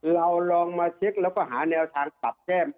เราลองมาเช็คแล้วก็หาแนวทางปรับแก้ม